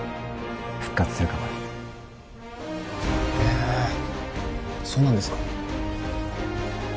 復活するかもよへそうなんですか